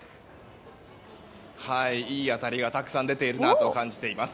いい当たりがたくさん出ているなと感じています。